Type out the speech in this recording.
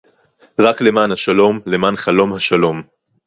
רק למען השלום, למען חלום השלום